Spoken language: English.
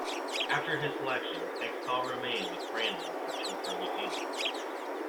After his selection, Hextall remained with Brandon for two further seasons.